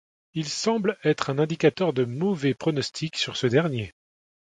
Il semble être un indicateur de mauvais pronostic sur ce dernier.